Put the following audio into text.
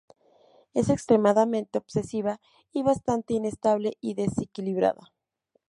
Es extremadamente obsesiva, y bastante inestable y desequilibrada.